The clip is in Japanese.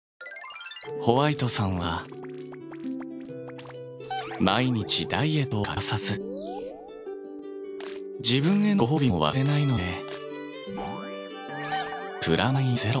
ホワイトさんは毎日ダイエットを欠かさず自分へのご褒美も忘れないのでプラマイゼロ。